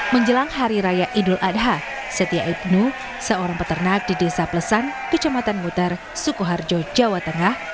menjelang hari raya idul adha setia ibnu seorang peternak di desa plusan kecamatan muter sukoharjo jawa tengah